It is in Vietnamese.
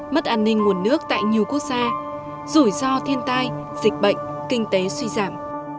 mất an ninh nguồn nước tại nhiều quốc gia rủi ro thiên tai dịch bệnh kinh tế suy giảm